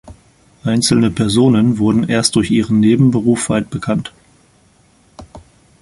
Einzelne Personen wurden erst durch ihren Nebenberuf weit bekannt.